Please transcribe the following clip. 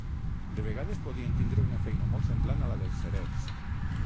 De vegades, podien tindre una feina molt semblant a la dels cerers.